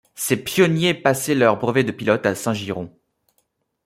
Ces pionniers passaient leur brevet de pilote à Saint-Girons.